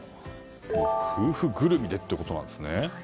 夫婦ぐるみでということですね。